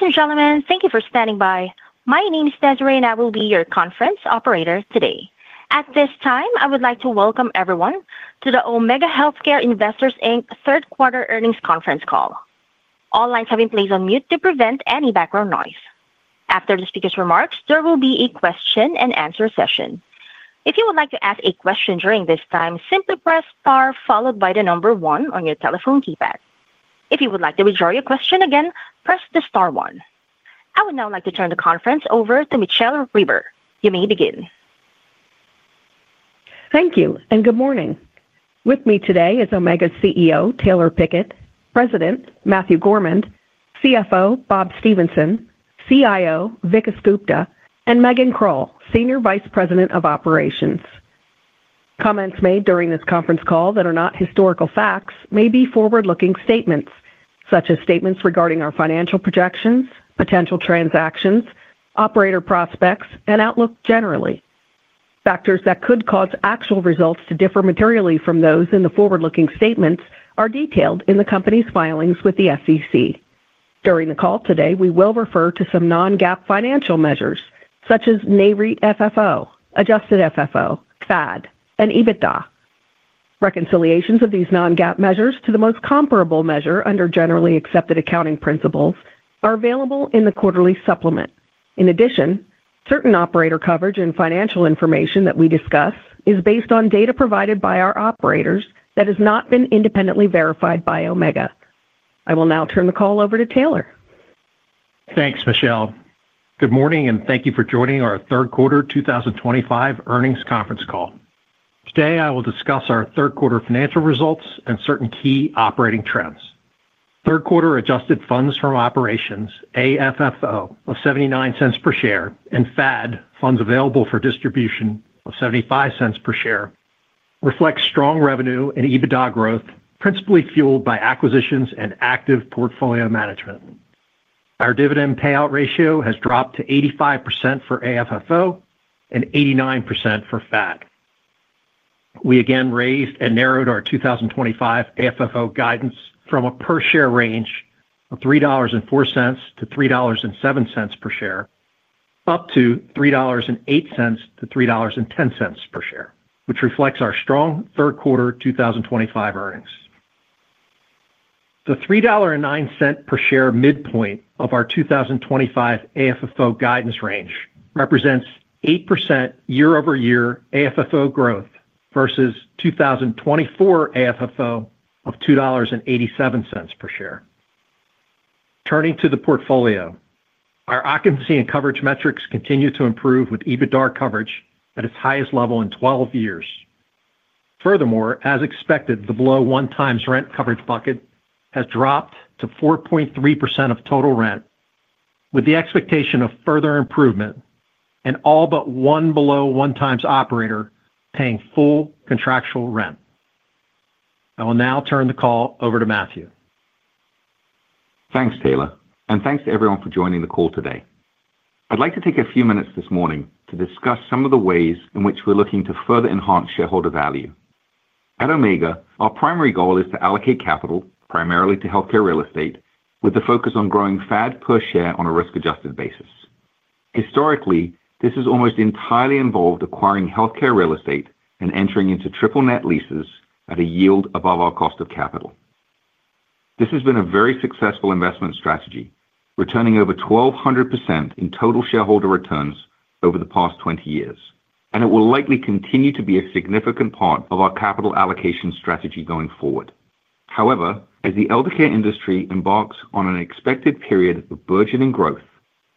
Ladies and gentlemen, thank you for standing by. My name is Desiree, and I will be your conference operator today. At this time, I would like to welcome everyone to the Omega Healthcare Investors Inc. Third Quarter Earnings Conference Call. All lines have been placed on mute to prevent any background noise. After the speaker's remarks, there will be a question-and-answer session. If you would like to ask a question during this time, simply press star followed by the number one on your telephone keypad. If you would like to withdraw your question, again press the star one. I would now like to turn the conference over to Michele Reber. You may begin. Thank you, and good morning. With me today is Omega CEO Taylor Pickett, President Matthew Gourmand, CFO Bob Stephenson, CIO Vikas Gupta, and Megan Krull, Senior Vice President of Operations. Comments made during this conference call that are not historical facts may be forward-looking statements, such as statements regarding our financial projections, potential transactions, operator prospects, and outlook generally. Factors that could cause actual results to differ materially from those in the forward-looking statements are detailed in the company's filings with the SEC. During the call today, we will refer to some non-GAAP financial measures, such as Nareit FFO, adjusted FFO, FAD, and EBITDA. Reconciliations of these non-GAAP measures to the most comparable measure under generally accepted accounting principles are available in the quarterly supplement. In addition, certain operator coverage and financial information that we discuss is based on data provided by our operators that has not been independently verified by Omega. I will now turn the call over to Taylor. Thanks, Michele. Good morning, and thank you for joining our Third Quarter 2025 Earnings Conference Call. Today, I will discuss our third-quarter financial results and certain key operating trends. Third-quarter adjusted funds from operations, AFFO of $0.79 per share, and FAD, funds available for distribution of $0.75 per share, reflect strong revenue and EBITDA growth, principally fueled by acquisitions and active portfolio management. Our dividend payout ratio has dropped to 85% for AFFO and 89% for FAD. We again raised and narrowed our 2025 AFFO guidance from a per-share range of $3.04-$3.07 per share, up to $3.08-$3.10 per share, which reflects our strong third-quarter 2025 earnings. The $3.09 per share midpoint of our 2025 AFFO guidance range represents 8% year-over-year AFFO growth versus 2024 AFFO of $2.87 per share. Turning to the portfolio, our occupancy and coverage metrics continue to improve with EBITDA coverage at its highest level in 12 years. Furthermore, as expected, the below-one-times rent coverage bucket has dropped to 4.3% of total rent, with the expectation of further improvement and all but one below-one-times operator paying full contractual rent. I will now turn the call over to Matthew. Thanks, Taylor, and thanks to everyone for joining the call today. I'd like to take a few minutes this morning to discuss some of the ways in which we're looking to further enhance shareholder value. At Omega, our primary goal is to allocate capital, primarily to healthcare real estate, with the focus on growing FAD per share on a risk-adjusted basis. Historically, this has almost entirely involved acquiring healthcare real estate and entering into triple-net leases at a yield above our cost of capital. This has been a very successful investment strategy, returning over 1,200% in total shareholder returns over the past 20 years, and it will likely continue to be a significant part of our capital allocation strategy going forward. However, as the eldercare industry embarks on an expected period of burgeoning growth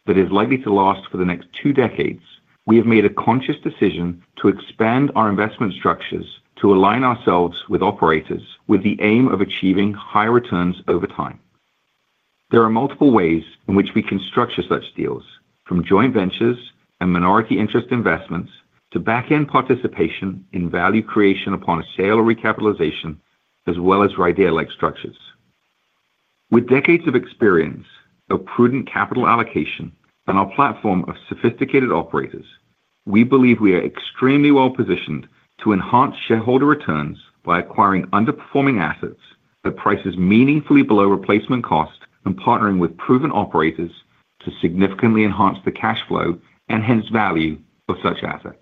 that is likely to last for the next two decades, we have made a conscious decision to expand our investment structures to align ourselves with operators with the aim of achieving higher returns over time. There are multiple ways in which we can structure such deals, from joint ventures and minority interest investments to back-end participation in value creation upon a sale or recapitalization, as well as RIDEA-like structures. With decades of experience of prudent capital allocation and our platform of sophisticated operators, we believe we are extremely well-positioned to enhance shareholder returns by acquiring underperforming assets at prices meaningfully below replacement cost and partnering with proven operators to significantly enhance the cash flow and hence value of such assets.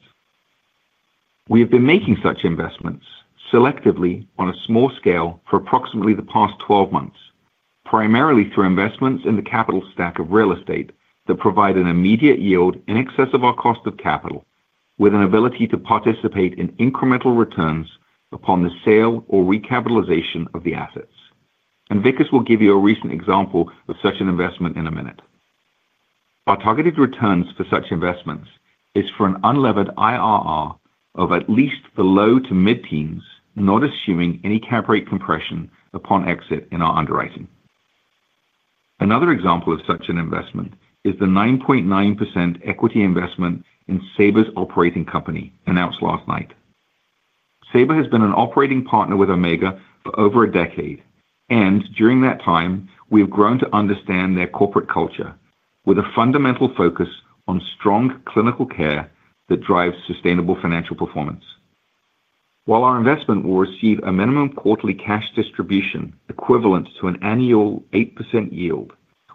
We have been making such investments selectively on a small scale for approximately the past 12 months, primarily through investments in the capital stack of real estate that provide an immediate yield in excess of our cost of capital, with an ability to participate in incremental returns upon the sale or recapitalization of the assets. Vikas will give you a recent example of such an investment in a minute. Our targeted returns for such investments are for an unlevered IRR of at least the low to mid-teens, not assuming any cap rate compression upon exit in our underwriting. Another example of such an investment is the 9.9% equity investment in SABR's operating company, announced last night. SABR has been an operating partner with Omega for over a decade, and during that time, we have grown to understand their corporate culture, with a fundamental focus on strong clinical care that drives sustainable financial performance. While our investment will receive a minimum quarterly cash distribution equivalent to an annual 8% yield,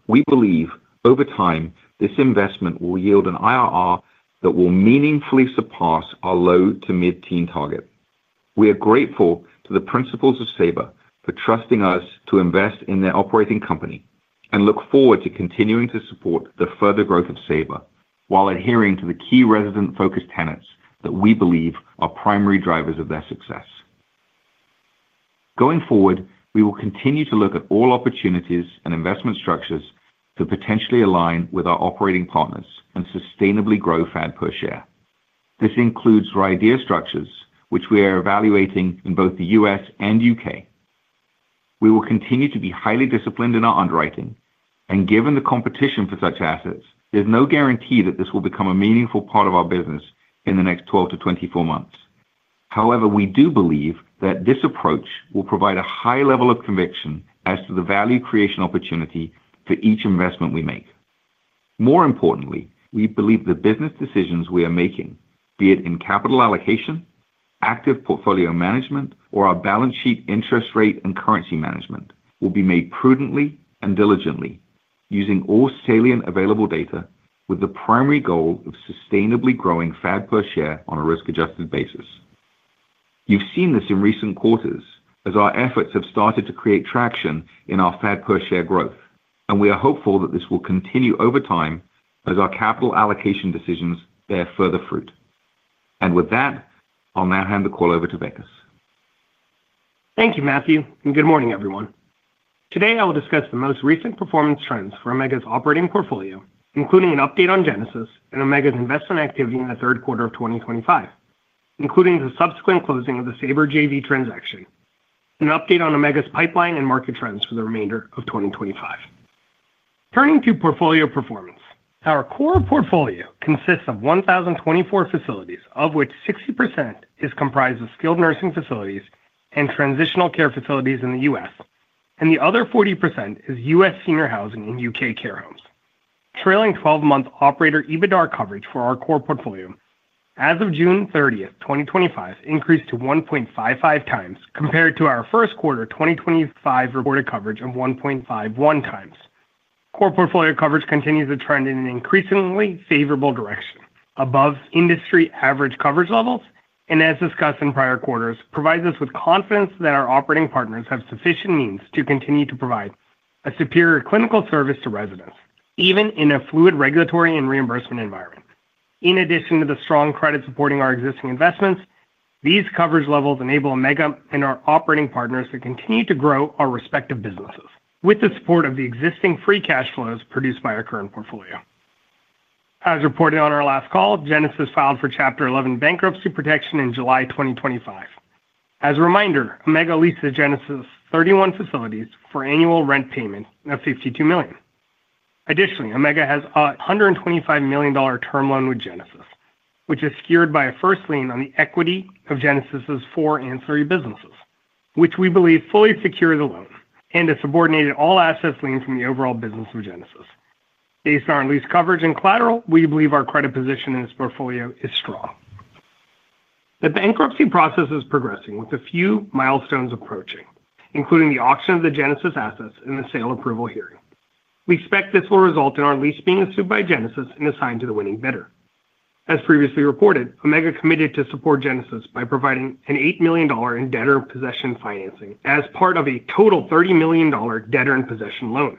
we believe over time this investment will yield an IRR that will meaningfully surpass our low to mid-teens target. We are grateful to the principals of SABR for trusting us to invest in their operating company and look forward to continuing to support the further growth of SABR while adhering to the key resident-focused tenets that we believe are primary drivers of their success. Going forward, we will continue to look at all opportunities and investment structures to potentially align with our operating partners and sustainably grow FAD per share. This includes RIDEA structures, which we are evaluating in both the U.S. and U.K. We will continue to be highly disciplined in our underwriting, and given the competition for such assets, there's no guarantee that this will become a meaningful part of our business in the next 12-24 months. However, we do believe that this approach will provide a high level of conviction as to the value creation opportunity for each investment we make. More importantly, we believe the business decisions we are making, be it in capital allocation, active portfolio management, or our balance sheet interest rate and currency management, will be made prudently and diligently, using all salient available data, with the primary goal of sustainably growing FAD per share on a risk-adjusted basis. You have seen this in recent quarters as our efforts have started to create traction in our FAD per share growth, and we are hopeful that this will continue over time as our capital allocation decisions bear further fruit. With that, I'll now hand the call over to Vikas. Thank you, Matthew, and good morning, everyone. Today, I will discuss the most recent performance trends for Omega's operating portfolio, including an update on Genesis and Omega's investment activity in the third quarter of 2025, including the subsequent closing of the SABR joint venture transaction, an update on Omega's pipeline and market trends for the remainder of 2025. Turning to portfolio performance, our core portfolio consists of 1,024 facilities, of which 60% is comprised of skilled nursing facilities and transitional care facilities in the U.S., and the other 40% is U.S. senior housing and U.K. care homes. Trailing 12-month operator EBITDA coverage for our core portfolio, as of June 30th, 2025, increased to 1.55x compared to our first quarter 2025 reported coverage of 1.51x. Core portfolio coverage continues to trend in an increasingly favorable direction, above industry average coverage levels, and, as discussed in prior quarters, provides us with confidence that our operating partners have sufficient means to continue to provide a superior clinical service to residents, even in a fluid regulatory and reimbursement environment. In addition to the strong credit supporting our existing investments, these coverage levels enable Omega and our operating partners to continue to grow our respective businesses, with the support of the existing free cash flows produced by our current portfolio. As reported on our last call, Genesis filed for Chapter 11 bankruptcy protection in July 2025. As a reminder, Omega leases Genesis's 31 facilities for annual rent payment of $52 million. Additionally, Omega has a $125 million term loan with Genesis, which is secured by a first lien on the equity of Genesis's four ancillary businesses, which we believe fully secure the loan and have subordinated all assets lien from the overall business of Genesis. Based on our lease coverage and collateral, we believe our credit position in this portfolio is strong. The bankruptcy process is progressing with a few milestones approaching, including the auction of the Genesis assets and the sale approval hearing. We expect this will result in our lease being assumed by Genesis and assigned to the winning bidder. As previously reported, Omega committed to support Genesis by providing $8 million in debtor-in-possession financing as part of a total $30 million debtor-in-possession loan.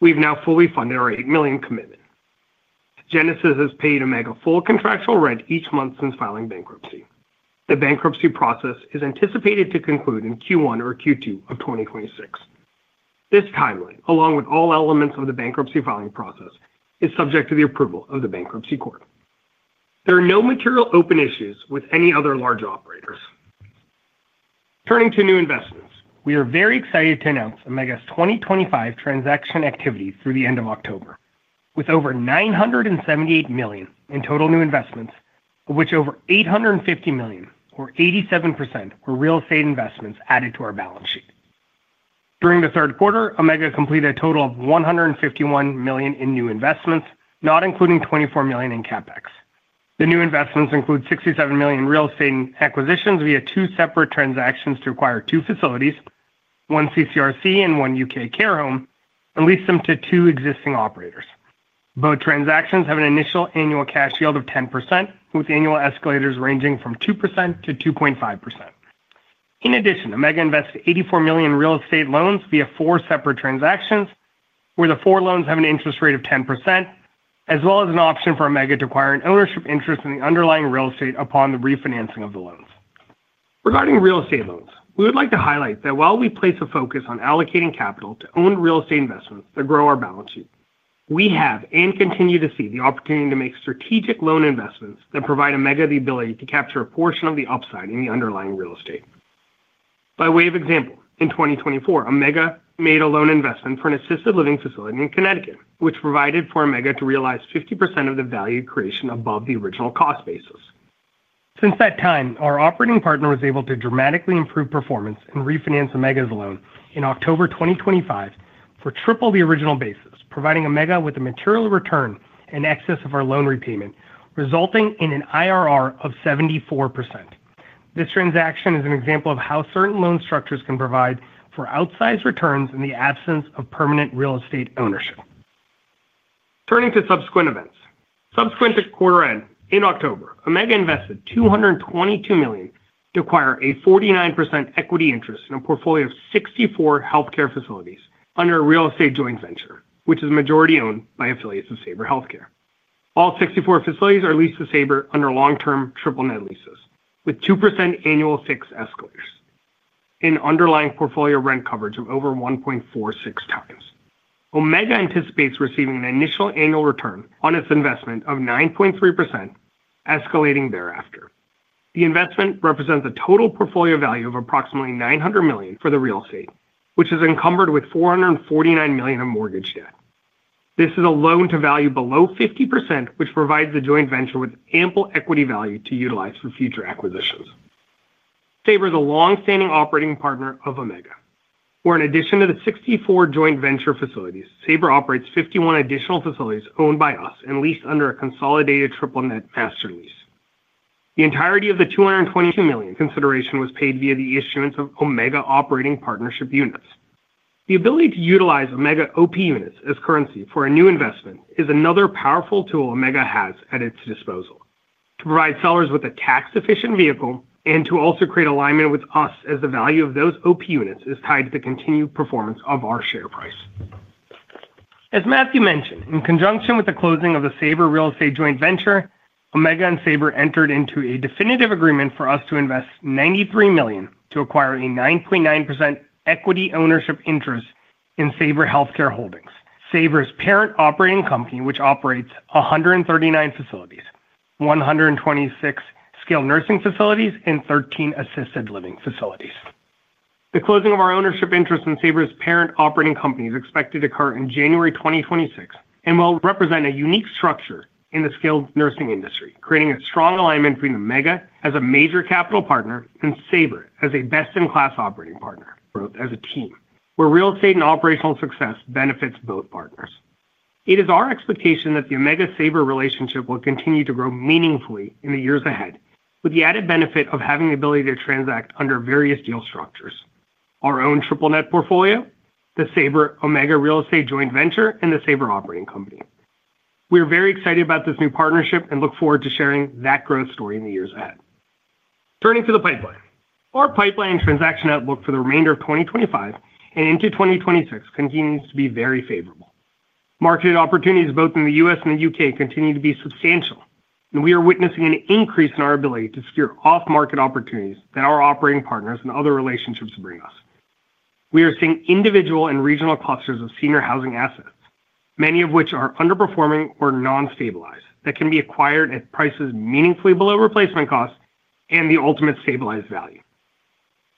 We have now fully funded our $8 million commitment. Genesis has paid Omega full contractual rent each month since filing bankruptcy. The bankruptcy process is anticipated to conclude in Q1 or Q2 of 2026. This timeline, along with all elements of the bankruptcy filing process, is subject to the approval of the bankruptcy court. There are no material open issues with any other large operators. Turning to new investments, we are very excited to announce Omega's 2025 transaction activity through the end of October, with over $978 million in total new investments, of which over $850 million, or 87%, were real estate investments added to our balance sheet. During the third quarter, Omega completed a total of $151 million in new investments, not including $24 million in CapEx. The new investments include $67 million in real estate acquisitions via two separate transactions to acquire two facilities, one CCRC and one U.K. care home, and leased them to two existing operators. Both transactions have an initial annual cash yield of 10%, with annual escalators ranging from 2%-2.5%. In addition, Omega invested $84 million in real estate loans via four separate transactions, where the four loans have an interest rate of 10%, as well as an option for Omega to acquire an ownership interest in the underlying real estate upon the refinancing of the loans. Regarding real estate loans, we would like to highlight that while we place a focus on allocating capital to own real estate investments that grow our balance sheet, we have and continue to see the opportunity to make strategic loan investments that provide Omega the ability to capture a portion of the upside in the underlying real estate. By way of example, in 2024, Omega made a loan investment for an assisted living facility in Connecticut, which provided for Omega to realize 50% of the value creation above the original cost basis. Since that time, our operating partner was able to dramatically improve performance and refinance Omega's loan in October 2025 for triple the original basis, providing Omega with a material return in excess of our loan repayment, resulting in an IRR of 74%. This transaction is an example of how certain loan structures can provide for outsized returns in the absence of permanent real estate ownership. Turning to subsequent events, subsequent to quarter-end in October, Omega invested $222 million to acquire a 49% equity interest in a portfolio of 64 healthcare facilities under a real estate joint venture, which is majority owned by affiliates of SABR Healthcare. All 64 facilities are leased to SABR under long-term triple-net leases, with 2% annual fixed escalators and underlying portfolio rent coverage of over 1.46x. Omega anticipates receiving an initial annual return on its investment of 9.3%, escalating thereafter. The investment represents a total portfolio value of approximately $900 million for the real estate, which is encumbered with $449 million of mortgage debt. This is a loan to value below 50%, which provides the joint venture with ample equity value to utilize for future acquisitions. SABR is a longstanding operating partner of Omega, where, in addition to the 64 joint venture facilities, SABR operates 51 additional facilities owned by us and leased under a consolidated triple-net master lease. The entirety of the $222 million consideration was paid via the issuance of Omega operating partnership units. The ability to utilize Omega OP units as currency for a new investment is another powerful tool Omega has at its disposal to provide sellers with a tax-efficient vehicle and to also create alignment with us, as the value of those OP units is tied to the continued performance of our share price. As Matthew mentioned, in conjunction with the closing of the SABR real estate joint venture, Omega and SABR entered into a definitive agreement for us to invest $93 million to acquire a 9.9% equity ownership interest in SABR Healthcare Holdings, SABR's parent operating company, which operates 139 facilities, 126 skilled nursing facilities, and 13 assisted living facilities. The closing of our ownership interest in SABR's parent operating company is expected to occur in January 2026 and will represent a unique structure in the skilled nursing industry, creating a strong alignment between Omega as a major capital partner and SABR as a best-in-class operating partner. Growth as a team, where real estate and operational success benefits both partners. It is our expectation that the Omega-SABR relationship will continue to grow meaningfully in the years ahead, with the added benefit of having the ability to transact under various deal structures: our own triple-net portfolio, the SABR Omega real estate joint venture, and the SABR operating company. We are very excited about this new partnership and look forward to sharing that growth story in the years ahead. Turning to the pipeline, our pipeline and transaction outlook for the remainder of 2025 and into 2026 continues to be very favorable. Market opportunities both in the U.S. and the U.K. continue to be substantial, and we are witnessing an increase in our ability to secure off-market opportunities that our operating partners and other relationships bring us. We are seeing individual and regional clusters of senior housing assets, many of which are underperforming or non-stabilized, that can be acquired at prices meaningfully below replacement cost and the ultimate stabilized value.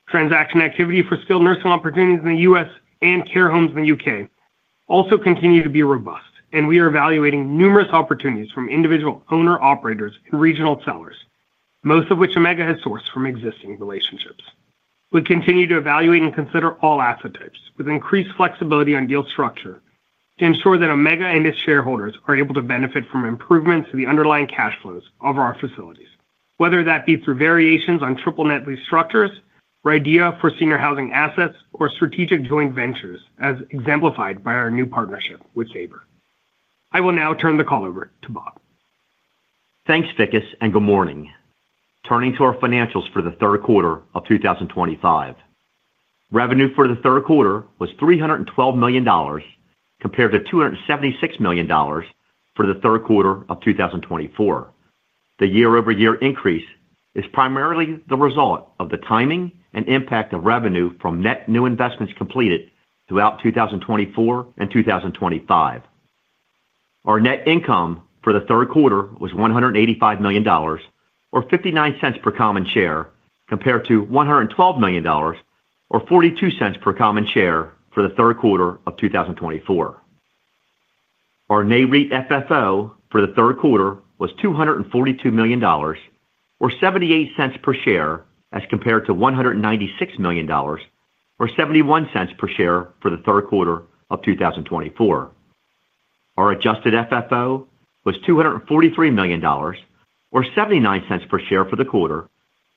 Transaction activity for skilled nursing opportunities in the U.S. and care homes in the U.K. also continues to be robust, and we are evaluating numerous opportunities from individual owner-operators and regional sellers, most of which Omega has sourced from existing relationships. We continue to evaluate and consider all asset types with increased flexibility on deal structure to ensure that Omega and its shareholders are able to benefit from improvements to the underlying cash flows of our facilities, whether that be through variations on triple-net lease structures, RIDEA for senior housing assets, or strategic joint ventures, as exemplified by our new partnership with SABR. I will now turn the call over to Bob. Thanks, Pickett, and good morning. Turning to our financials for the third quarter of 2025. Revenue for the third quarter was $312 million, compared to $276 million for the third quarter of 2024. The year-over-year increase is primarily the result of the timing and impact of revenue from net new investments completed throughout 2024 and 2025. Our net income for the third quarter was $185 million, or $0.59 per common share, compared to $112 million, or $0.42 per common share for the third quarter of 2024. Our Nareit FFO for the third quarter was $242 million, or $0.78 per share, as compared to $196 million, or $0.71 per share for the third quarter of 2024. Our adjusted FFO was $243 million, or $0.79 per share for the quarter,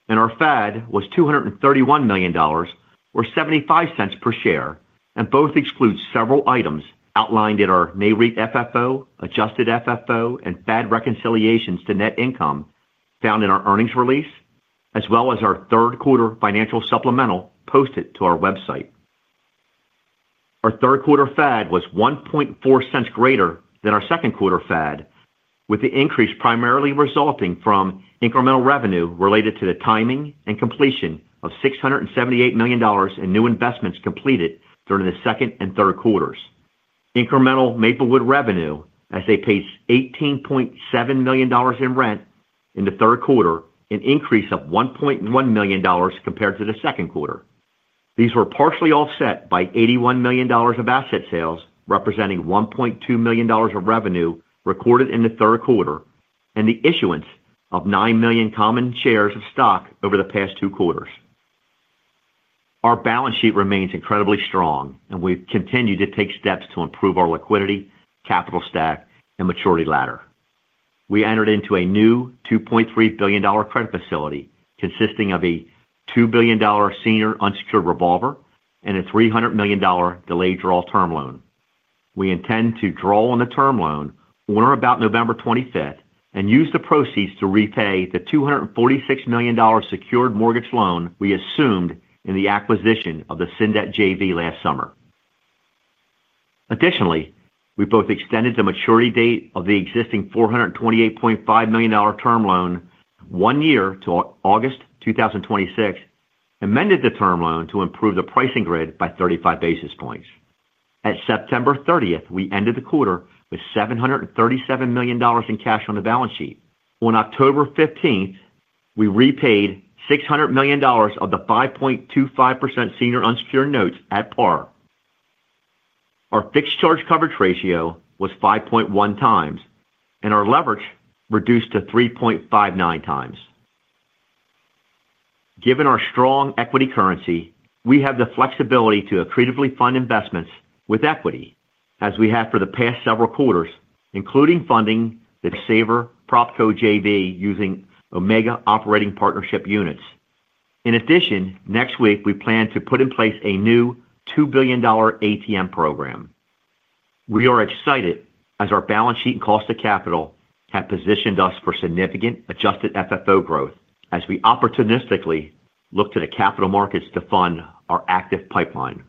and our FAD was $231 million, or $0.75 per share, and both exclude several items outlined in our Nareit FFO, adjusted FFO, and FAD reconciliations to net income found in our earnings release, as well as our third quarter financial supplemental posted to our website. Our third quarter FAD was $0.14 greater than our second quarter FAD, with the increase primarily resulting from incremental revenue related to the timing and completion of $678 million in new investments completed during the second and third quarters. Incremental Maplewood revenue, as they paid $18.7 million in rent in the third quarter, an increase of $1.1 million compared to the second quarter. These were partially offset by $81 million of asset sales, representing $1.2 million of revenue recorded in the third quarter and the issuance of 9 million common shares of stock over the past two quarters. Our balance sheet remains incredibly strong, and we've continued to take steps to improve our liquidity, capital stack, and maturity ladder. We entered into a new $2.3 billion credit facility, consisting of a $2 billion senior unsecured revolver and a $300 million delayed draw term loan. We intend to draw on the term loan on or about November 25th and use the proceeds to repay the $246 million secured mortgage loan we assumed in the acquisition of the Cindat JV last summer. Additionally, we both extended the maturity date of the existing $428.5 million term loan one year to August 2026, amended the term loan to improve the pricing grid by 35 basis points. At September 30th, we ended the quarter with $737 million in cash on the balance sheet. On October 15th, we repaid $600 million of the 5.25% Senior Unsecured Notes at par. Our fixed charge coverage ratio was 5.1x, and our leverage reduced to 3.59x. Given our strong equity currency, we have the flexibility to accretively fund investments with equity, as we have for the past several quarters, including funding the SABR PropCo JV using Omega operating partnership units. In addition, next week, we plan to put in place a new $2 billion ATM program. We are excited as our balance sheet and cost of capital have positioned us for significant adjusted FFO growth as we opportunistically look to the capital markets to fund our active pipeline.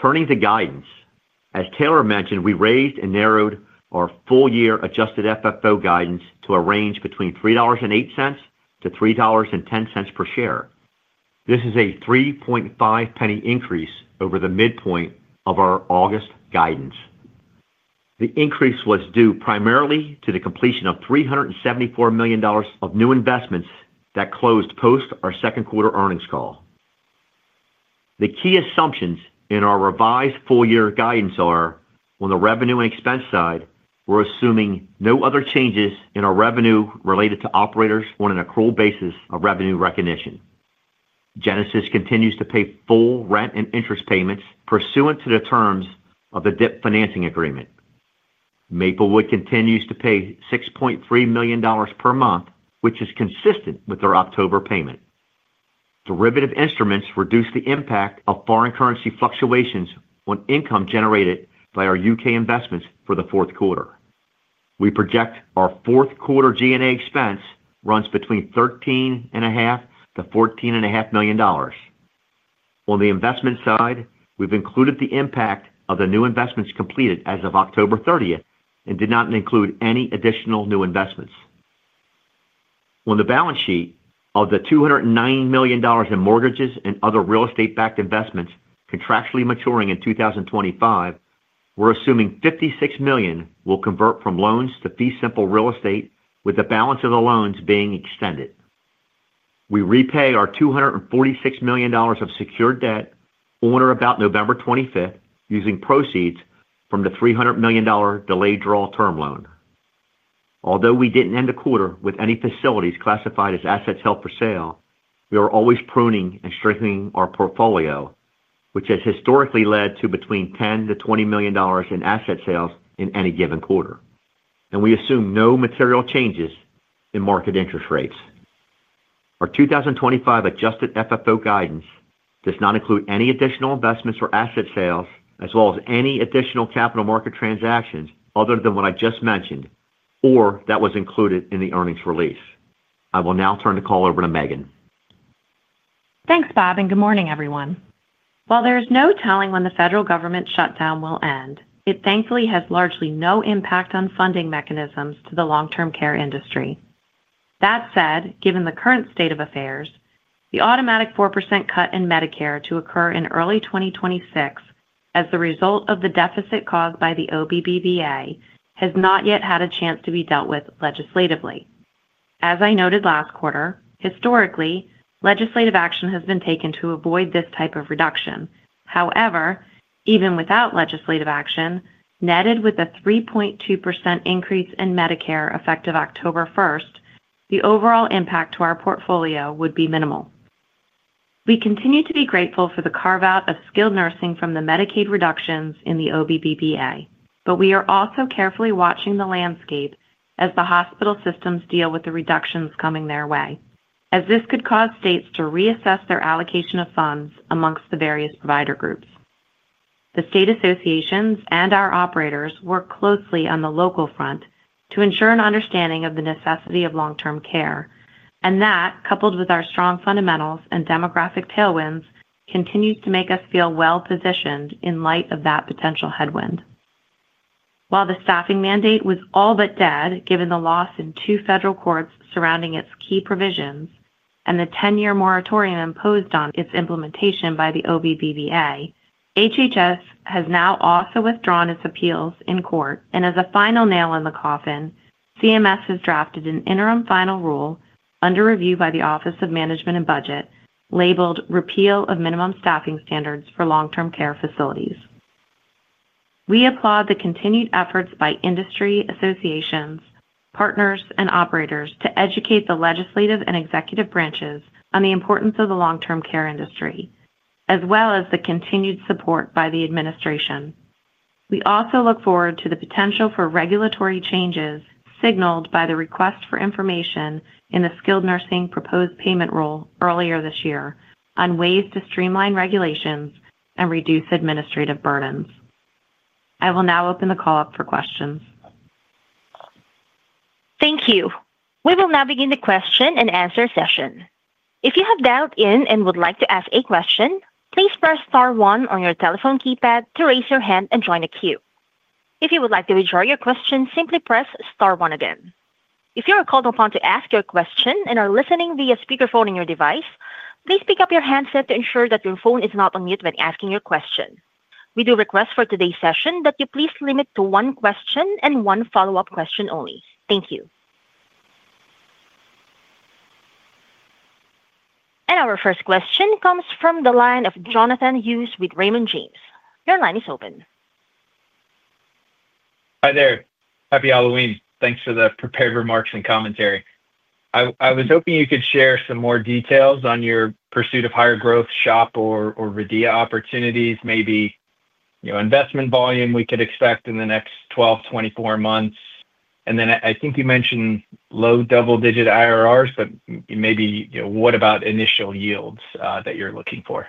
Turning to guidance, as Taylor mentioned, we raised and narrowed our full-year adjusted FFO guidance to a range between $3.08-$3.10 per share. This is a $0.035 increase over the midpoint of our August guidance. The increase was due primarily to the completion of $374 million of new investments that closed post our second quarter earnings call. The key assumptions in our revised full-year guidance are on the revenue and expense side, we're assuming no other changes in our revenue related to operators on an accrual basis of revenue recognition. Genesis continues to pay full rent and interest payments pursuant to the terms of the DIP financing agreement. Maplewood continues to pay $6.3 million per month, which is consistent with their October payment. Derivative instruments reduce the impact of foreign currency fluctuations on income generated by our U.K. investments for the fourth quarter. We project our fourth quarter G&A expense runs between $13.5 million-$14.5 million. On the investment side, we've included the impact of the new investments completed as of October 30th and did not include any additional new investments. On the balance sheet, of the $209 million in mortgages and other real estate-backed investments contractually maturing in 2025, we're assuming $56 million will convert from loans to fee simple real estate, with the balance of the loans being extended. We repay our $246 million of secured debt on or about November 25th using proceeds from the $300 million delayed draw term loan. Although we didn't end the quarter with any facilities classified as assets held for sale, we are always pruning and strengthening our portfolio, which has historically led to between $10 million-$20 million in asset sales in any given quarter, and we assume no material changes in market interest rates. Our 2025 adjusted FFO guidance does not include any additional investments or asset sales, as well as any additional capital market transactions other than what I just mentioned or that was included in the earnings release. I will now turn the call over to Megan. Thanks, Bob, and good morning, everyone. While there is no telling when the federal government shutdown will end, it thankfully has largely no impact on funding mechanisms to the long-term care industry. That said, given the current state of affairs, the automatic 4% cut in Medicare to occur in early 2026 as the result of the deficit caused by the OBBVA has not yet had a chance to be dealt with legislatively. As I noted last quarter, historically, legislative action has been taken to avoid this type of reduction. However, even without legislative action, netted with a 3.2% increase in Medicare effective October 1st, the overall impact to our portfolio would be minimal. We continue to be grateful for the carve-out of skilled nursing from the Medicaid reductions in the OBBVA, but we are also carefully watching the landscape as the hospital systems deal with the reductions coming their way, as this could cause states to reassess their allocation of funds amongst the various provider groups. The state associations and our operators work closely on the local front to ensure an understanding of the necessity of long-term care, and that, coupled with our strong fundamentals and demographic tailwinds, continues to make us feel well-positioned in light of that potential headwind. While the staffing mandate was all but dead given the loss in two federal courts surrounding its key provisions and the 10-year moratorium imposed on its implementation by the OBBVA, HHS has now also withdrawn its appeals in court, and as a final nail in the coffin, CMS has drafted an interim final rule under review by the Office of Management and Budget labeled "Repeal of Minimum Staffing Standards for Long-Term Care Facilities." We applaud the continued efforts by industry associations, partners, and operators to educate the legislative and executive branches on the importance of the long-term care industry, as well as the continued support by the administration. We also look forward to the potential for regulatory changes signaled by the request for information in the skilled nursing proposed payment rule earlier this year on ways to streamline regulations and reduce administrative burdens. I will now open the call up for questions. Thank you. We will now begin the question-and-answer session. If you have dialed in and would like to ask a question, please press star one on your telephone keypad to raise your hand and join the queue. If you would like to withdraw your question, simply press star one again. If you are called upon to ask your question and are listening via speakerphone on your device, please pick up your handset to ensure that your phone is not on mute when asking your question. We do request for today's session that you please limit to one question and one follow-up question only. Thank you. Our first question comes from the line of Jonathan Hughes with Raymond James. Your line is open. Hi there. Happy Halloween. Thanks for the prepared remarks and commentary. I was hoping you could share some more details on your pursuit of higher growth shop or RIDEA opportunities, maybe investment volume we could expect in the next 12-24 months. I think you mentioned low double-digit IRRs, but maybe what about initial yields that you're looking for?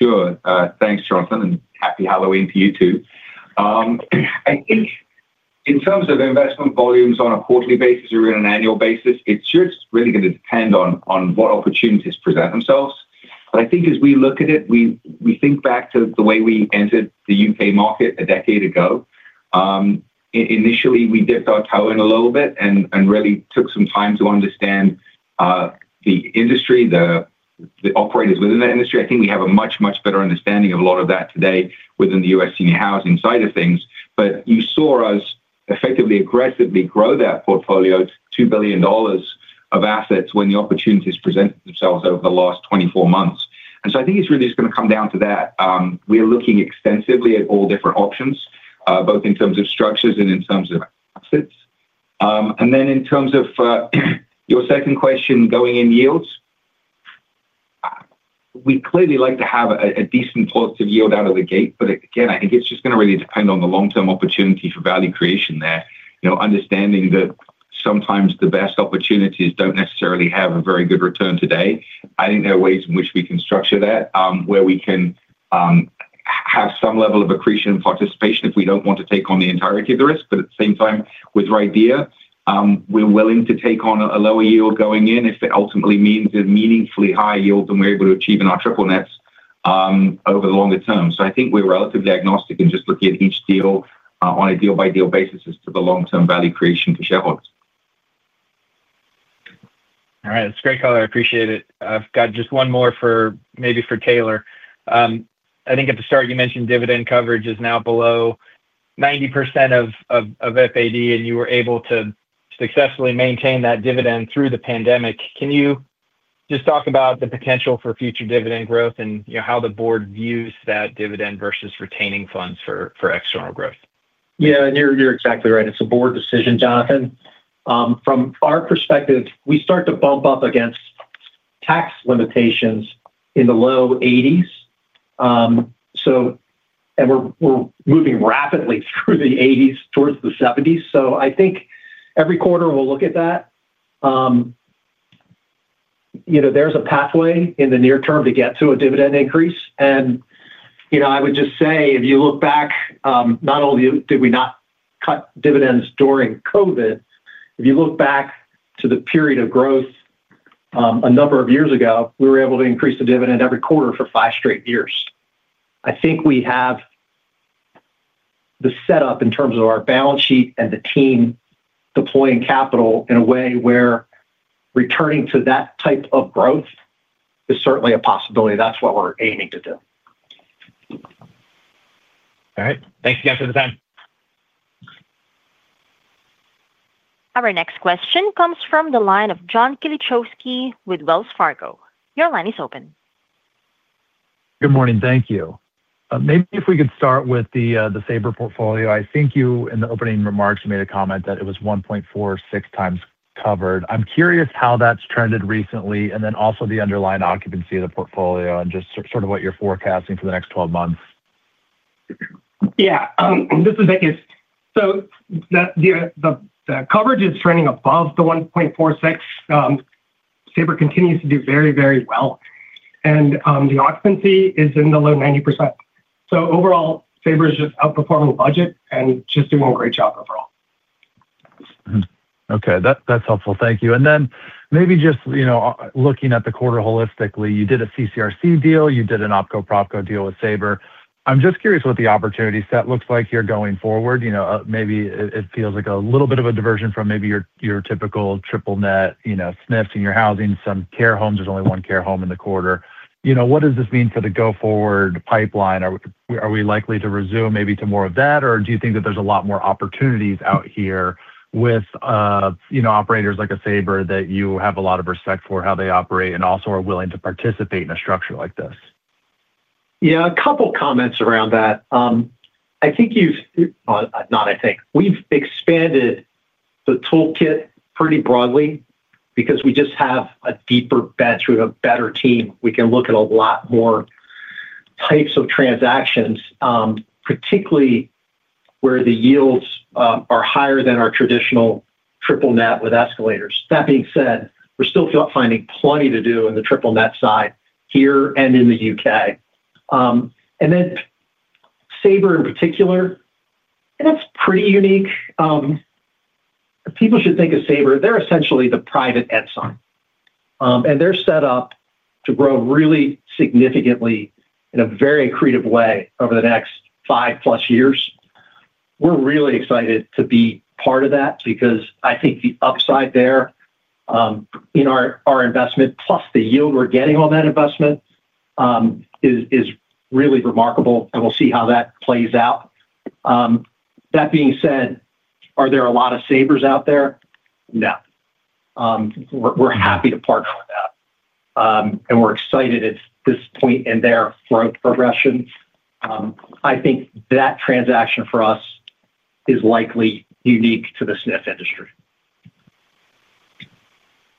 Sure. Thanks, Jonathan, and happy Halloween to you too. I think in terms of investment volumes on a quarterly basis or on an annual basis, it's just really going to depend on what opportunities present themselves. I think as we look at it, we think back to the way we entered the U.K. market a decade ago. Initially, we dipped our toe in a little bit and really took some time to understand the industry, the operators within that industry. I think we have a much, much better understanding of a lot of that today within the U.S. senior housing side of things. You saw us effectively aggressively grow that portfolio to $2 billion of assets when the opportunities presented themselves over the last 24 months. I think it's really just going to come down to that. We're looking extensively at all different options, both in terms of structures and in terms of assets. In terms of your second question, going-in yields, we clearly like to have a decent positive yield out of the gate, but again, I think it's just going to really depend on the long-term opportunity for value creation there. Understanding that sometimes the best opportunities don't necessarily have a very good return today. I think there are ways in which we can structure that, where we can have some level of accretion and participation if we don't want to take on the entirety of the risk. At the same time, with RIDEA, we're willing to take on a lower yield going in if it ultimately means a meaningfully higher yield than we're able to achieve in our triple-net leases over the longer term. I think we're relatively agnostic in just looking at each deal on a deal-by-deal basis as to the long-term value creation for shareholders. All right. That's great color. I appreciate it. I've got just one more for maybe for Taylor. I think at the start, you mentioned dividend coverage is now below 90% of FAD, and you were able to successfully maintain that dividend through the pandemic. Can you just talk about the potential for future dividend growth and how the Board views that dividend versus retaining funds for external growth? Yeah, and you're exactly right. It's a Board decision, Jonathan. From our perspective, we start to bump up against tax limitations in the low 80%. We're moving rapidly through the 80% towards the 70%. I think every quarter we'll look at that. There's a pathway in the near-term to get to a dividend increase. I would just say, if you look back, not only did we not cut dividends during COVID, if you look back to the period of growth a number of years ago, we were able to increase the dividend every quarter for five straight years. I think we have the setup in terms of our balance sheet and the team deploying capital in a way where returning to that type of growth is certainly a possibility. That's what we're aiming to do. All right, thanks again for the time. Our next question comes from the line of John Kilichowski with Wells Fargo. Your line is open. Good morning. Thank you. Maybe if we could start with the SABR portfolio. I think you, in the opening remarks, made a comment that it was 1.46x covered. I'm curious how that's trended recently, and then also the underlying occupancy of the portfolio and just sort of what you're forecasting for the next 12 months. Yeah. This is Vikas. The coverage is trending above the 1.46x. SABR continues to do very, very well, and the occupancy is in the low 90%. Overall, SABR is just outperforming budget and just doing a great job overall. Okay. That's helpful. Thank you. Maybe just looking at the quarter holistically, you did a CCRC deal. You did an OpCo PropCo deal with SABR. I'm just curious what the opportunity set looks like here going forward. Maybe it feels like a little bit of a diversion from maybe your typical triple-net SNFs in your housing, some care homes. There's only one care home in the quarter. What does this mean for the go-forward pipeline? Are we likely to resume maybe to more of that, or do you think that there's a lot more opportunities out here with operators like a SABR that you have a lot of respect for how they operate and also are willing to participate in a structure like this? Yeah, a couple of comments around that. I think—we've expanded the toolkit pretty broadly because we just have a deeper bench. We have a better team. We can look at a lot more types of transactions, particularly where the yields are higher than our traditional triple-net with escalators. That being said, we're still finding plenty to do on the triple-net side here and in the U.K. SABR in particular, that's pretty unique. People should think of SABR, they're essentially the private Edsun, and they're set up to grow really significantly in a very accretive way over the next 5+ years. We're really excited to be part of that because I think the upside there in our investment, plus the yield we're getting on that investment, is really remarkable, and we'll see how that plays out. That being said, are there a lot of SABRs out there? No. We're happy to partner with that, and we're excited at this point in their growth progression. I think that transaction for us is likely unique to the SNF industry.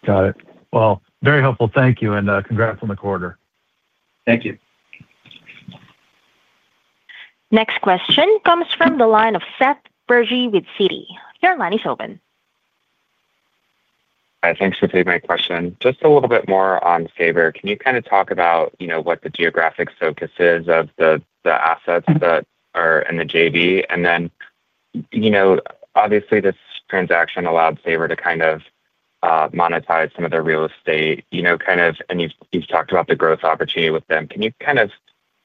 Got it. Very helpful. Thank you. Congrats on the quarter. Thank you. Next question comes from the line of Seth Bergey with Citi. Your line is open. Hi. Thanks for taking my question. Just a little bit more on SABR. Can you kind of talk about what the geographic focus is of the assets that are in the JV? Obviously, this transaction allowed SABR to kind of monetize some of their real estate, kind of, and you've talked about the growth opportunity with them. Can you kind of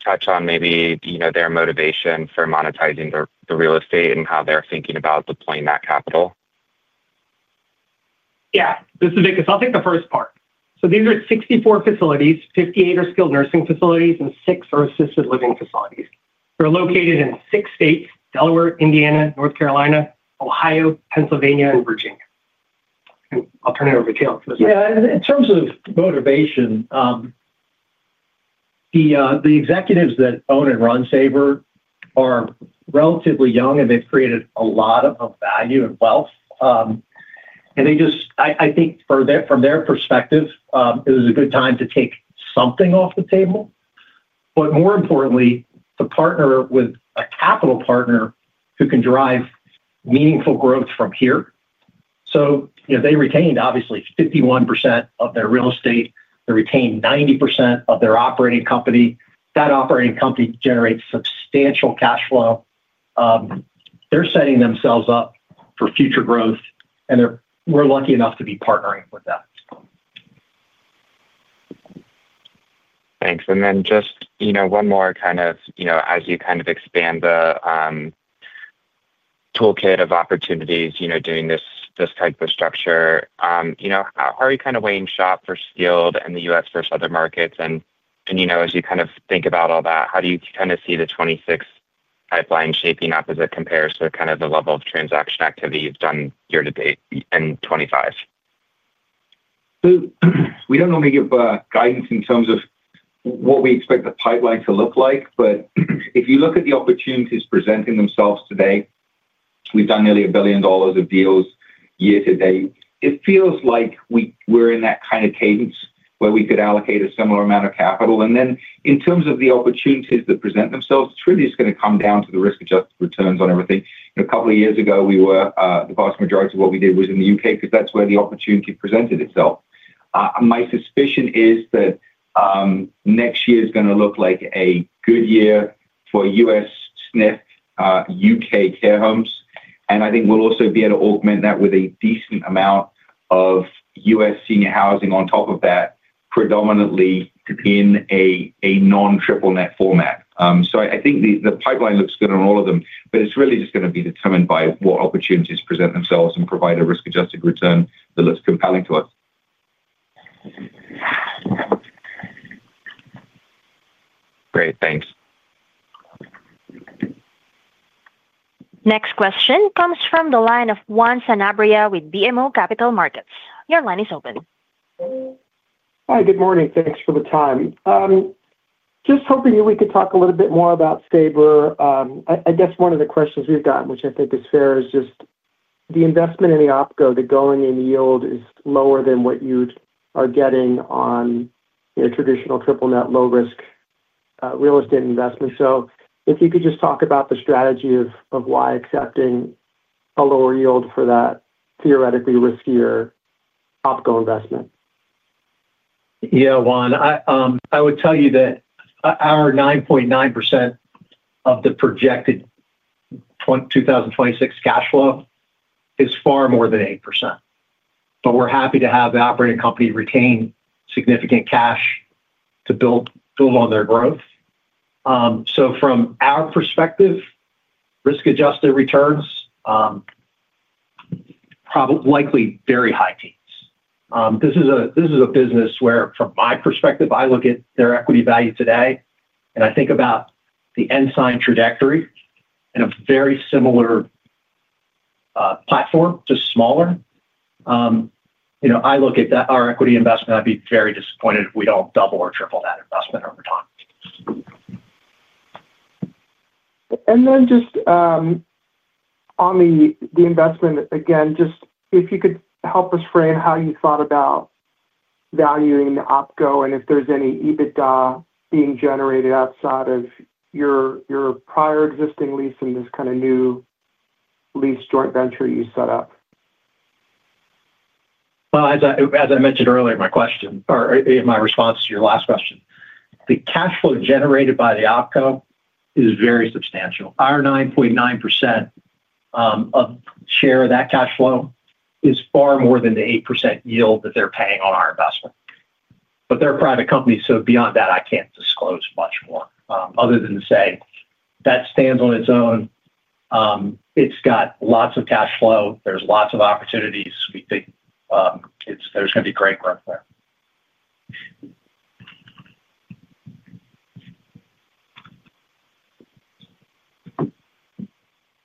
touch on maybe their motivation for monetizing the real estate and how they're thinking about deploying that capital? Yeah. This is Vikas. I'll take the first part. These are 64 facilities, 58 are skilled nursing facilities, and 6 are assisted living facilities. They're located in six states: Delaware, Indiana, North Carolina, Ohio, Pennsylvania, and Virginia. I'll turn it over to Taylor for this one. In terms of motivation, the executives that own and run SABR are relatively young, and they've created a lot of value and wealth. I think from their perspective, it was a good time to take something off the table. More importantly, to partner with a capital partner who can drive meaningful growth from here. They retained, obviously, 51% of their real estate. They retained 90% of their operating company. That operating company generates substantial cash flow. They're setting themselves up for future growth, and we're lucky enough to be partnering with them. Thanks. Just one more, as you expand the toolkit of opportunities doing this type of structure, how are you weighing shop versus field and the U.S. versus other markets? As you think about all that, how do you see the 2026 pipeline shaping up as it compares to the level of transaction activity you've done year-to-date in 2025? We don't normally give guidance in terms of what we expect the pipeline to look like, but if you look at the opportunities presenting themselves today, we've done nearly $1 billion of deals year-to-date. It feels like we're in that kind of cadence where we could allocate a similar amount of capital. In terms of the opportunities that present themselves, it's really just going to come down to the risk-adjusted returns on everything. A couple of years ago, the vast majority of what we did was in the U.K. because that's where the opportunity presented itself. My suspicion is that next year is going to look like a good year for U.S. SNF, U.K. care homes, and I think we'll also be able to augment that with a decent amount of U.S. senior housing on top of that, predominantly in a non-triple-net format. I think the pipeline looks good on all of them, but it's really just going to be determined by what opportunities present themselves and provide a risk-adjusted return that looks compelling to us. Great. Thanks. Next question comes from the line of Juan Sanabria with BMO Capital Markets. Your line is open. Hi. Good morning. Thanks for the time. Just hoping that we could talk a little bit more about SABR. I guess one of the questions we've gotten, which I think is fair, is just the investment in the OpCo, the going-in yield is lower than what you are getting on traditional triple-net low-risk real estate investment. If you could just talk about the strategy of why accepting a lower yield for that theoretically riskier OpCo investment. Yeah, Juan. I would tell you that our 9.9% of the projected 2026 cash flow is far more than 8%. We're happy to have the operating company retain significant cash to build on their growth. From our perspective, risk-adjusted returns likely very high teens. This is a business where, from my perspective, I look at their equity value today, and I think about the Ensign trajectory and a very similar platform, just smaller. I look at our equity investment. I'd be very disappointed if we don't double or triple that investment over time. On the investment, if you could help us frame how you thought about valuing the OpCo and if there's any EBITDA being generated outside of your prior existing lease and this kind of new lease joint venture you set up. As I mentioned earlier, my response to your last question, the cash flow generated by the OpCo is very substantial. Our 9.9% share of that cash flow is far more than the 8% yield that they're paying on our investment. They're a private company, so beyond that, I can't disclose much more other than to say that stands on its own. It's got lots of cash flow. There's lots of opportunities. We think there's going to be great growth there.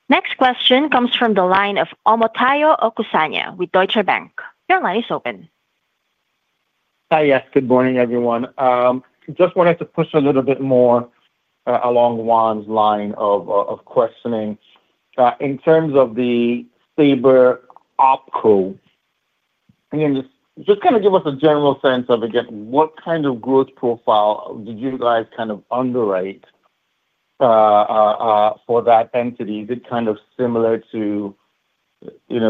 Next question comes from the line of Omotayo Okusanya with Deutsche Bank. Your line is open. Hi. Yes. Good morning, everyone. Just wanted to push a little bit more along Juan's line of questioning. In terms of the SABR OpCo, can you just kind of give us a general sense of, again, what kind of growth profile did you guys kind of underwrite for that entity? Is it kind of similar to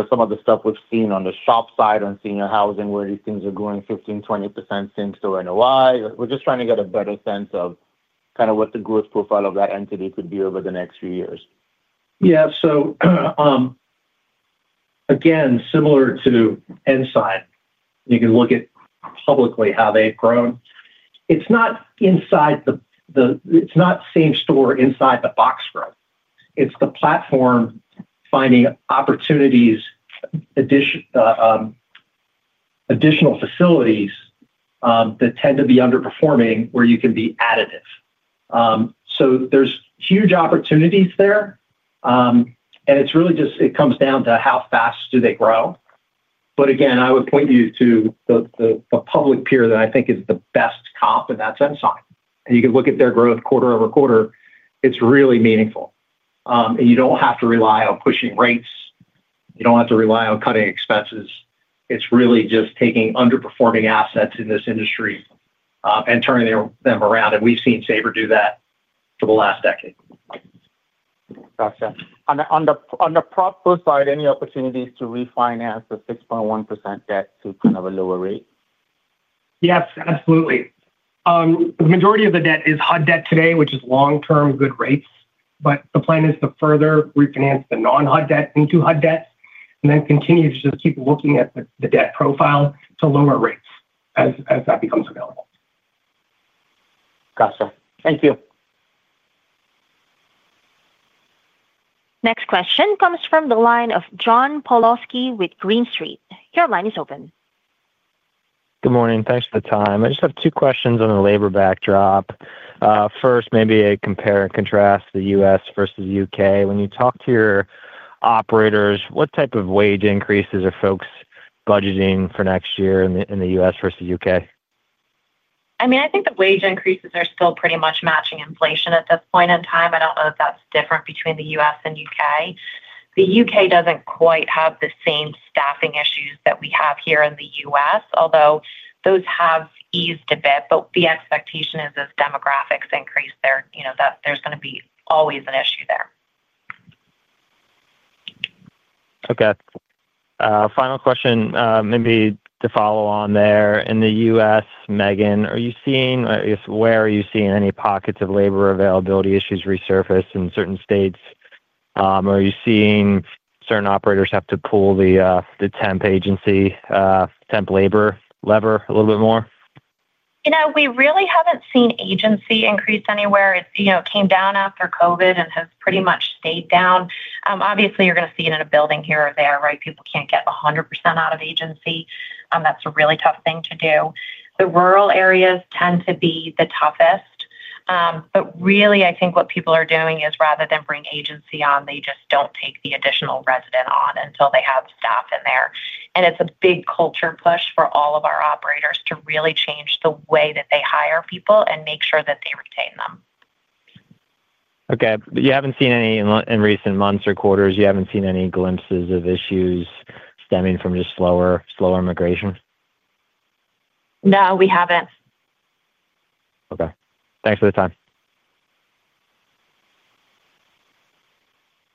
some of the stuff we've seen on the shop side on senior housing where these things are growing 15%-20% since the renewal? We're just trying to get a better sense of kind of what the growth profile of that entity could be over the next few years. Yeah. Again, similar to Ensign, you can look at publicly how they've grown. It's not same store inside the box growth. It's the platform, finding opportunities, additional facilities that tend to be underperforming where you can be additive. There are huge opportunities there. It really just comes down to how fast do they grow. I would point you to the public peer that I think is the best comp in that sense, and you can look at their growth quarter over quarter. It's really meaningful. You don't have to rely on pushing rates. You don't have to rely on cutting expenses. It's really just taking underperforming assets in this industry and turning them around. We've seen SABR do that for the last decade. Gotcha. On the proper side, any opportunities to refinance the 6.1% debt to kind of a lower rate? Yes, absolutely. The majority of the debt is HUD debt today, which is long-term, good rates. The plan is to further refinance the non-HUD debt into HUD debt and then continue to just keep looking at the debt profile to lower rates as that becomes available. Gotcha. Thank you. Next question comes from the line of John Pawlowski with Green Street. Your line is open. Good morning. Thanks for the time. I just have two questions on the labor backdrop. First, maybe a compare and contrast: the U.S. versus the U.K. When you talk to your operators, what type of wage increases are folks budgeting for next year in the U.S. versus U.K? I mean, I think the wage increases are still pretty much matching inflation at this point in time. I don't know if that's different between the U.S. and U.K. The U.K. doesn't quite have the same staffing issues that we have here in the U.S., although those have eased a bit. The expectation is, as demographics increase, there's going to be always an issue there. Okay. Final question, maybe to follow on there. In the U.S., Megan, are you seeing, I guess, where are you seeing any pockets of labor availability issues resurface in certain states? Are you seeing certain operators have to pull the temp agency, temp labor lever a little bit more? We really haven't seen agency increase anywhere. It came down after COVID and has pretty much stayed down. Obviously, you're going to see it in a building here or there, right? People can't get 100% out of agency. That's a really tough thing to do. The rural areas tend to be the toughest. I think what people are doing is, rather than bring agency on, they just don't take the additional resident on until they have staff in there. It's a big culture push for all of our operators to really change the way that they hire people and make sure that they retain them. Okay. You haven't seen any in recent months or quarters, you haven't seen any glimpses of issues stemming from just slower migration? No, we haven't. Okay, thanks for the time.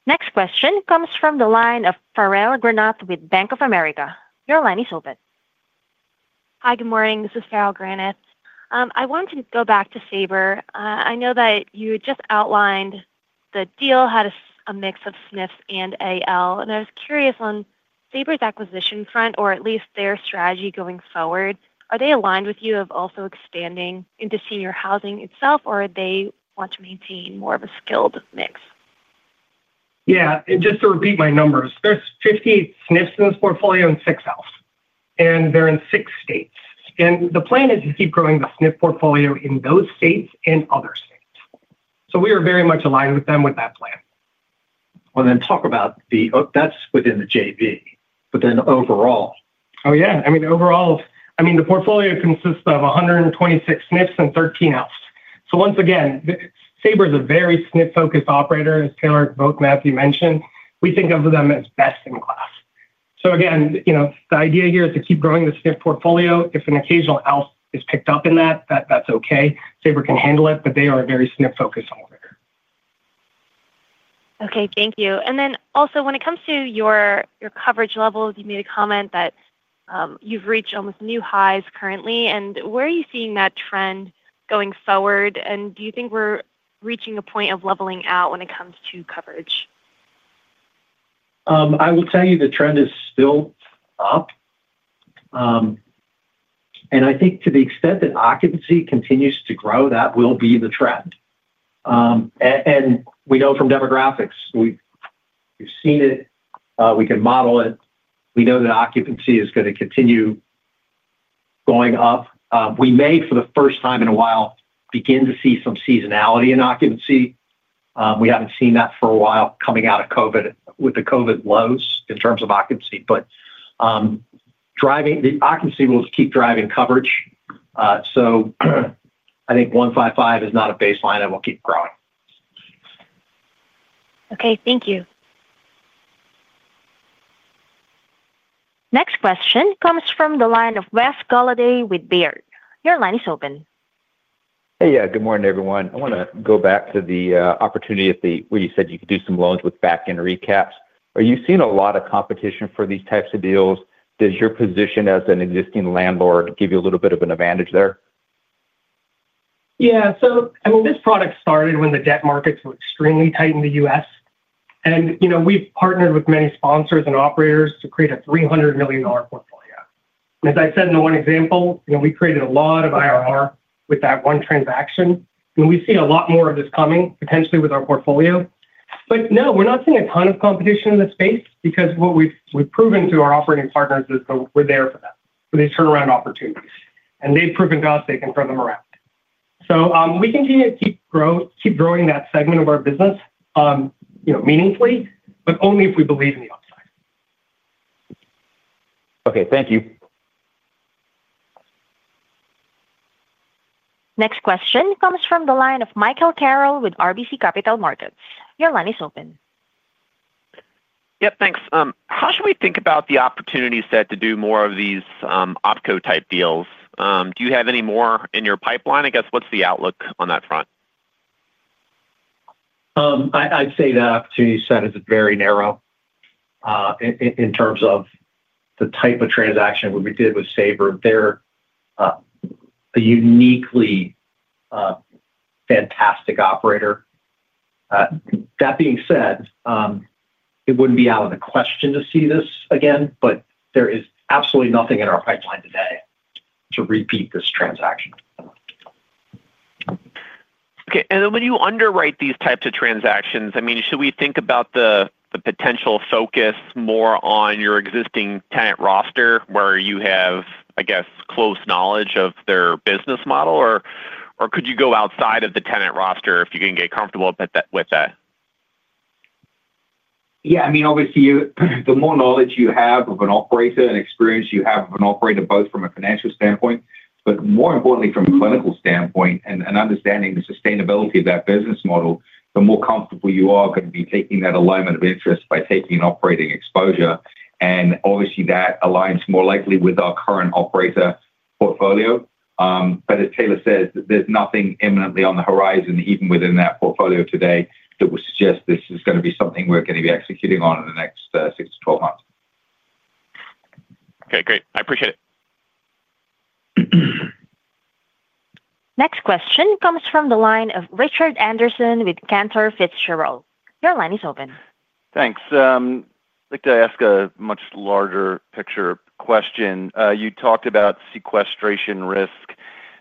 Next question comes from the line of Farrell Granath with Bank of America. Your line is open. Hi. Good morning. This is Farrell Granath. I wanted to go back to SABR. I know that you had just outlined the deal had a mix of SNFs and AL. I was curious on SABR's acquisition front, or at least their strategy going forward, are they aligned with you of also expanding into senior housing itself, or do they want to maintain more of a skilled mix? Yeah. Just to repeat my numbers, there's 50 SNFs in this portfolio and 6 houses. They're in 6 states. The plan is to keep growing the SNF portfolio in those states and other states. We are very much aligned with them with that plan. Talk about the—that's within the JV. Then overall. Oh, yeah. I mean, overall, the portfolio consists of 126 SNFs and 13 houses. Once again, SABR is a very SNF-focused operator, as Taylor and Matthew mentioned. We think of them as best in class. The idea here is to keep growing the SNF portfolio. If an occasional house is picked up in that, that's okay. SABR can handle it, but they are a very SNF-focused operator. Thank you. When it comes to your coverage levels, you made a comment that you've reached almost new highs currently. Where are you seeing that trend going forward? Do you think we're reaching a point of leveling out when it comes to coverage? I will tell you the trend is still up. I think to the extent that occupancy continues to grow, that will be the trend. We know from demographics. We've seen it. We can model it. We know that occupancy is going to continue going up. We may, for the first time in a while, begin to see some seasonality in occupancy. We haven't seen that for a while coming out of COVID with the COVID lows in terms of occupancy. The occupancy will keep driving coverage. I think 155 is not a baseline that will keep growing. Okay. Thank you. Next question comes from the line of Wes Golladay with Baird. Your line is open. Good morning, everyone. I want to go back to the opportunity where you said you could do some loans with back-end recaps. Are you seeing a lot of competition for these types of deals? Does your position as an existing landlord give you a little bit of an advantage there? Yeah. I mean, this product started when the debt markets were extremely tight in the U.S., and we've partnered with many sponsors and operators to create a $300 million portfolio. As I said in the one example, we created a lot of IRR with that one transaction. We see a lot more of this coming potentially with our portfolio. We're not seeing a ton of competition in this space because what we've proven to our operating partners is that we're there for them for these turnaround opportunities, and they've proven to us they can turn them around. We continue to keep growing that segment of our business meaningfully, but only if we believe in the upside. Okay. Thank you. Next question comes from the line of Michael Carroll with RBC Capital Markets. Your line is open. Thanks. How should we think about the opportunity set to do more of these OpCo-type deals? Do you have any more in your pipeline? I guess what's the outlook on that front? I'd say that opportunity set is very narrow. In terms of the type of transaction when we did with SABR, they're a uniquely fantastic operator. That being said, it wouldn't be out of the question to see this again, but there is absolutely nothing in our pipeline today to repeat this transaction. Okay. When you underwrite these types of transactions, should we think about the potential focus more on your existing tenant roster where you have, I guess, close knowledge of their business model, or could you go outside of the tenant roster if you can get comfortable with that? Yeah. I mean, obviously, the more knowledge you have of an operator and experience you have of an operator, both from a financial standpoint, but more importantly from a clinical standpoint and understanding the sustainability of that business model, the more comfortable you are going to be taking that alignment of interest by taking an operating exposure. That aligns more likely with our current operator portfolio. As Taylor said, there's nothing imminently on the horizon, even within that portfolio today, that would suggest this is going to be something we're going to be executing on in the next six to 12 months. Okay. Great. I appreciate it. Next question comes from the line of Richard Anderson with Cantor Fitzgerald. Your line is open. Thanks. I'd like to ask a much larger picture question. You talked about sequestration risk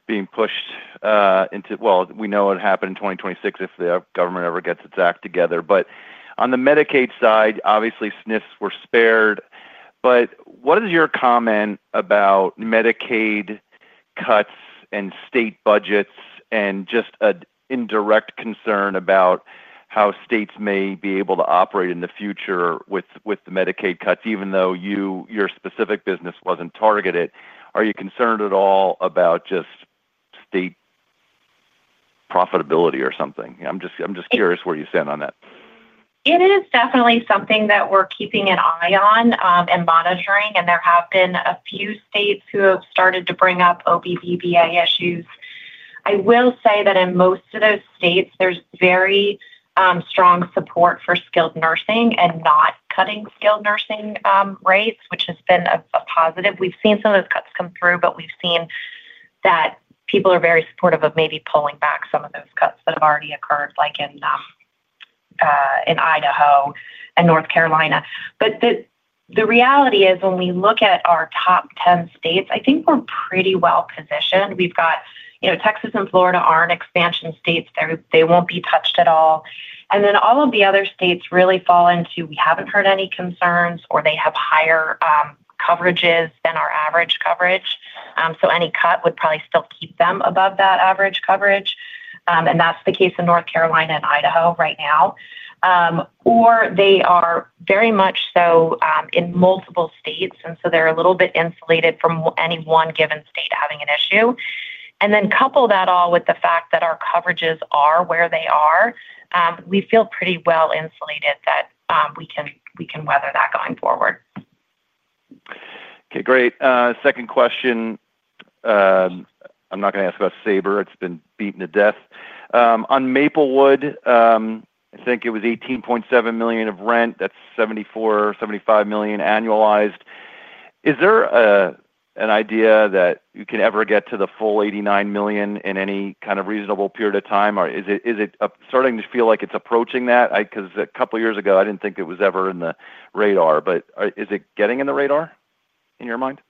being pushed into 2026 if the government ever gets its act together. On the Medicaid side, obviously, SNFs were spared. What is your comment about Medicaid cuts and state budgets and just an indirect concern about how states may be able to operate in the future with the Medicaid cuts, even though your specific business wasn't targeted? Are you concerned at all about just state profitability or something? I'm just curious where you stand on that. It is definitely something that we're keeping an eye on and monitoring. There have been a few states who have started to bring up OB/BPI issues. I will say that in most of those states, there's very strong support for skilled nursing and not cutting skilled nursing rates, which has been a positive. We've seen some of those cuts come through, but we've seen that people are very supportive of maybe pulling back some of those cuts that have already occurred, like in Idaho and North Carolina. The reality is, when we look at our top 10 states, I think we're pretty well positioned. We've got Texas and Florida, which aren't expansion states. They won't be touched at all. All of the other states really fall into we haven't heard any concerns, or they have higher coverages than our average coverage, so any cut would probably still keep them above that average coverage. That's the case in North Carolina and Idaho right now, or they are very much so in multiple states, so they're a little bit insulated from any one given state having an issue. Couple that all with the fact that our coverages are where they are, we feel pretty well insulated that we can weather that going forward. Okay. Great. Second question. I'm not going to ask about SABR. It's been beaten to death. On Maplewood, I think it was $18.7 million of rent. That's $74 million, $75 million annualized. Is there an idea that you can ever get to the full $89 million in any kind of reasonable period of time? Or is it starting to feel like it's approaching that? Because a couple of years ago, I didn't think it was ever in the radar. Is it getting in the radar in your mind?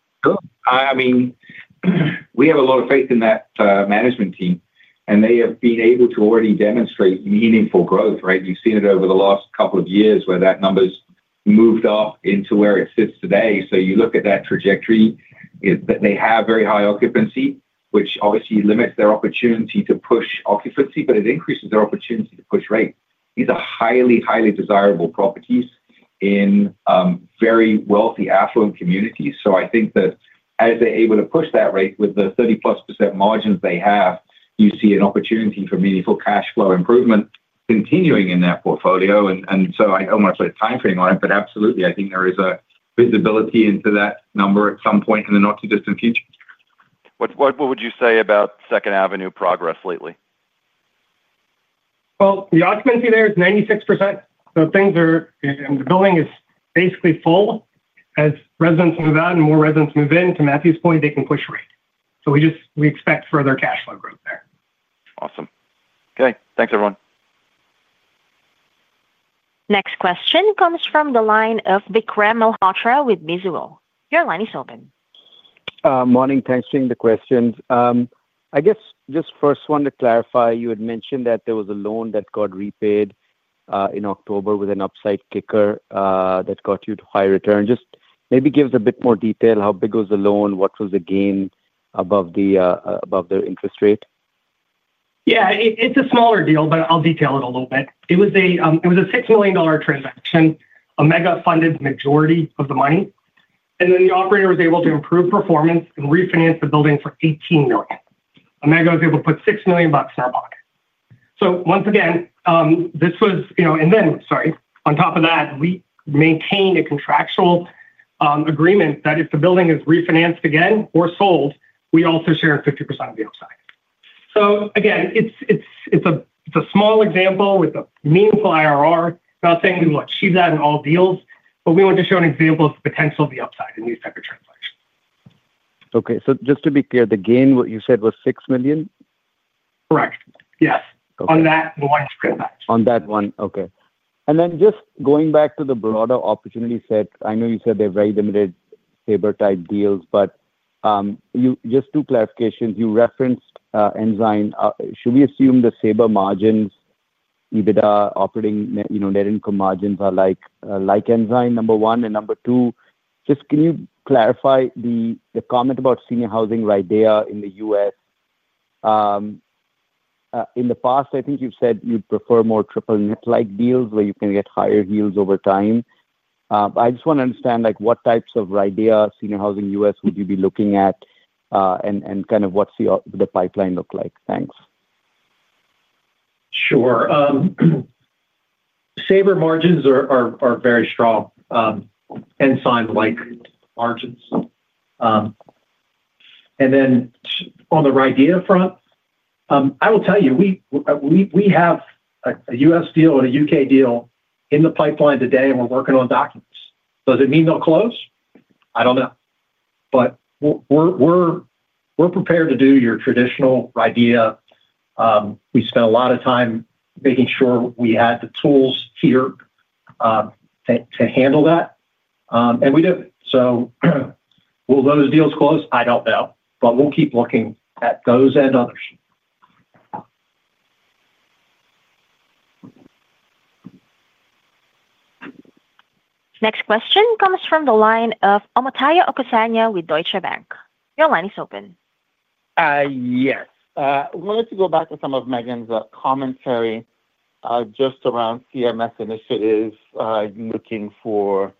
We have a lot of faith in that management team. They have been able to already demonstrate meaningful growth, right? You've seen it over the last couple of years where that number's moved up into where it sits today. You look at that trajectory, they have very high occupancy, which obviously limits their opportunity to push occupancy, but it increases their opportunity to push rates. These are highly, highly desirable properties in very wealthy, affluent communities. I think that as they're able to push that rate with the 30+% margins they have, you see an opportunity for meaningful cash flow improvement continuing in that portfolio. I don't want to put a timeframe on it, but absolutely, I think there is a visibility into that number at some point in the not-too-distant future. What would you say about Second Avenue progress lately? The occupancy there is 96%. Things are—the building is basically full. As residents move out and more residents move in, to Matthew's point, they can push rate. We expect further cash flow growth there. Awesome. Okay. Thanks, everyone. Next question comes from the line of Vikram Malhotra with Mizuho. Your line is open. Morning. Thanks for the questions. I guess just first want to clarify, you had mentioned that there was a loan that got repaid in October with an upside kicker that got you to high return. Just maybe give us a bit more detail. How big was the loan? What was the gain above the interest rate? Yeah. It's a smaller deal, but I'll detail it a little bit. It was a $6 million transaction, Omega funded the majority of the money, and then the operator was able to improve performance and refinance the building for $18 million. Omega was able to put $6 million in our pocket. Once again, this was—sorry. On top of that, we maintain a contractual agreement that if the building is refinanced again or sold, we also share 50% of the upside. Again, it's a small example with a meaningful IRR. It's not saying we will achieve that in all deals, but we wanted to show an example of the potential of the upside in these types of transactions. Okay. Just to be clear, the gain, what you said, was $6 million? Correct. Yes, on that one transaction. On that one. Okay. Just going back to the broader opportunity set, I know you said there are very limited SABR-type deals. Just two clarifications. You referenced Ensign. Should we assume the SABR margins, EBITDA, operating net income margins are like Ensign, number one? Number two, can you clarify the comment about senior housing RIDEA in the U.S.? In the past, I think you've said you'd prefer more triple-net-like deals where you can get higher yields over time. I just want to understand what types of RIDEA senior housing U.S. would you be looking at, and what's the pipeline look like? Thanks. Sure. SABR margins are very strong. Ensign-like margins. On the RIDEA front, I will tell you we have a U.S. deal and a U.K. deal in the pipeline today, and we're working on documents. Does it mean they'll close? I don't know. We're prepared to do your traditional RIDEA. We spent a lot of time making sure we had the tools here to handle that, and we do. Will those deals close? I don't know. We'll keep looking at those and others. Next question comes from the line of Omotayo Okusanya with Deutsche Bank. Your line is open. Yes. I wanted to go back to some of Megan's commentary just around CMS initiatives looking for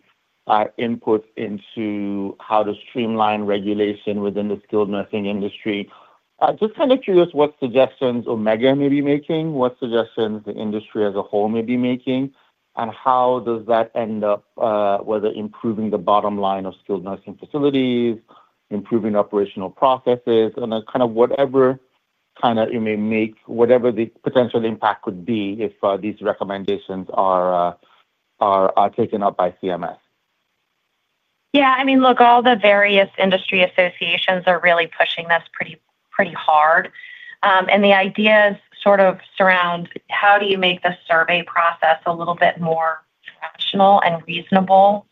input into how to streamline regulation within the skilled nursing industry. Just kind of curious what suggestions Omega may be making, what suggestions the industry as a whole may be making, and how does that end up whether improving the bottom line of skilled nursing facilities, improving operational processes, and kind of whatever it may make, whatever the potential impact would be if these recommendations are taken up by CMS? Yeah. I mean, look, all the various industry associations are really pushing this pretty hard. The idea is sort of around how do you make the survey process a little bit more rational and reasonable.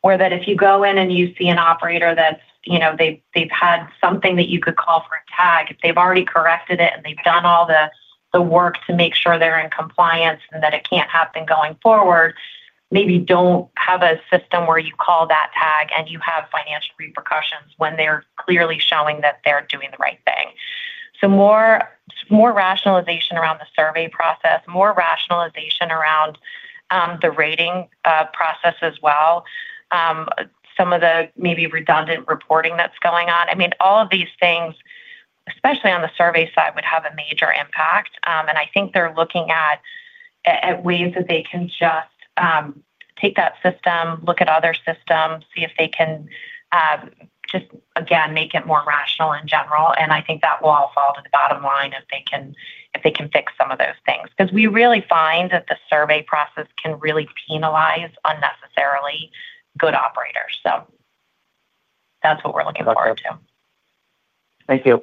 Where if you go in and you see an operator that they've had something that you could call for a tag, if they've already corrected it and they've done all the work to make sure they're in compliance and that it can't happen going forward, maybe don't have a system where you call that tag and you have financial repercussions when they're clearly showing that they're doing the right thing. More rationalization around the survey process, more rationalization around the rating process as well. Some of the maybe redundant reporting that's going on. I mean, all of these things, especially on the survey side, would have a major impact. I think they're looking at ways that they can just take that system, look at other systems, see if they can just, again, make it more rational in general. I think that will all fall to the bottom line if they can fix some of those things because we really find that the survey process can really penalize unnecessarily good operators. That's what we're looking forward to. Thank you.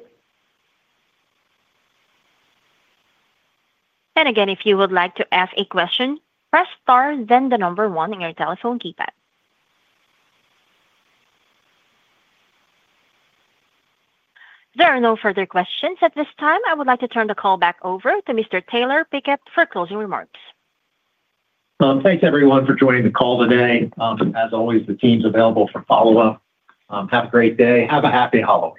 If you would like to ask a question, press star, then the number one on your telephone keypad. There are no further questions at this time. I would like to turn the call back over to Mr. Taylor Pickett for closing remarks. Thanks, everyone, for joining the call today. As always, the team's available for follow-up. Have a great day. Have a happy Halloween.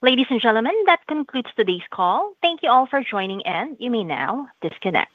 Ladies and gentlemen, that concludes today's call. Thank you all for joining in. You may now disconnect.